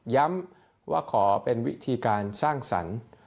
ย้ำว่าขอเป็นวิธีการสร้างสรรค์